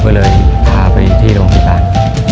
เพื่อใช้จริงของคุณ